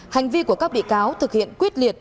hành vi của các bị cáo thực hiện quyết liệt